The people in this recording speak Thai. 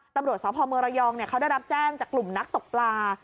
ตำรวจสพเมืองระยองเขาได้รับแจ้งจากกลุ่มนักตกปลา